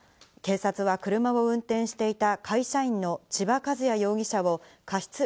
警察は車を運転していた会社員の千葉和也容疑者を過失